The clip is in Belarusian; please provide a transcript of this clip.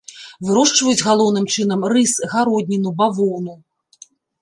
Вырошчваюць галоўным чынам рыс, гародніну, бавоўну.